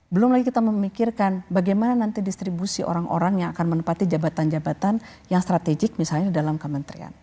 belum lagi kita memikirkan bagaimana nanti distribusi orang orang yang akan menempati jabatan jabatan yang strategik misalnya dalam kementerian